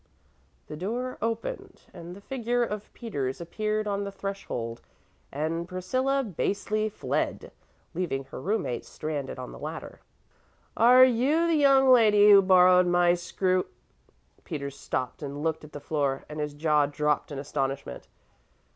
The door opened, and the figure of Peters appeared on the threshold; and Priscilla basely fled, leaving her room mate stranded on the ladder. "Are you the young lady who borrowed my screw " Peters stopped and looked at the floor, and his jaw dropped in astonishment.